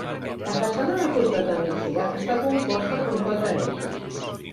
La façana del costat de migdia està composta amb quatre eixos.